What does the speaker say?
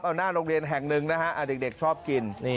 เอาหน้าโรงเรียนแห่งหนึ่งนะฮะเด็กชอบกิน